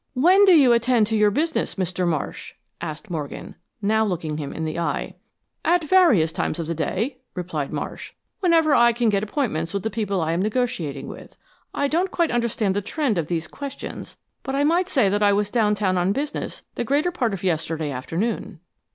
"When do you attend to your business, Mr. Marsh?" asked Morgan, now looking him in the eye. "At various times of the day," replied Marsh. "Whenever I can get appointments with the people I am negotiating with. I don't quite understand the trend of these questions, but I might say that I was downtown on business the greater part of yesterday afternoon."